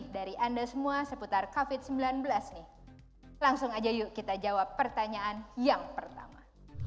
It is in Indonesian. di covid sembilan belas nih langsung aja yuk kita jawab pertanyaan yang pertama